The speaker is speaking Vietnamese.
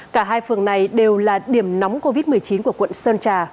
cả hai phường này đều là điểm nóng covid một mươi chín của quận sơn trà